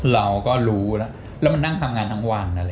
เราก็รู้แล้วแล้วมันนั่งทำงานทั้งวัน